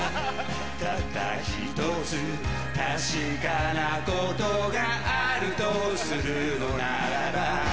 たったひとつ確かなことがあるとするのならば